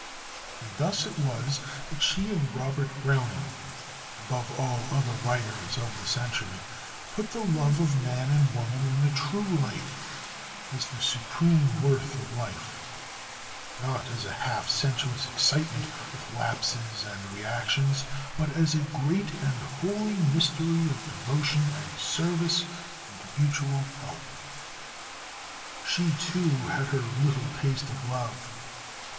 And thus it was that she and Robert Browning, above all other writers of the century, put the love of man and woman in the true light, as the supreme worth of life; not as a half sensuous excitement, with lapses and reactions, but as a great and holy mystery of devotion and service and mutual help. She too had her little taste of love.